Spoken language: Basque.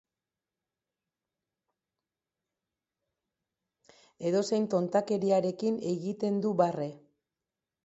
Edozein tontakeriarekin egiten du barre.